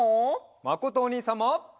まことおにいさんも。